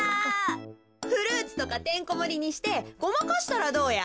フルーツとかてんこもりにしてごまかしたらどうや？